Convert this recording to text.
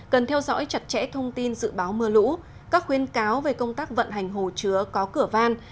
cần theo dõi chặt chẽ thông tin dự báo mưa lũ các khuyên cáo về công tác vận hành hồ chứa có cửa van